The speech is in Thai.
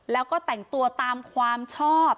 แล้วก็แต่งตัวตามความชอบ